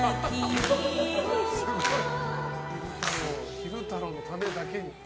昼太郎のためだけに。